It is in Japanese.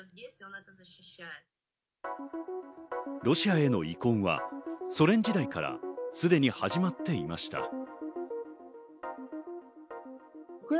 ロシアへの遺恨はソ連時代からすでに始まっていました。